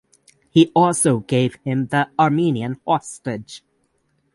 He also gave him the Armenian hostage.